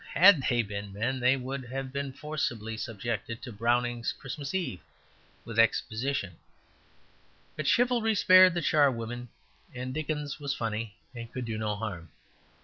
Had they been men they would have been forcibly subjected to Browning's "Christmas Eve" with exposition, but chivalry spared the charwomen, and Dickens was funny, and could do no harm.